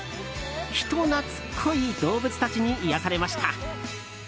人懐っこい動物たちに癒やされました。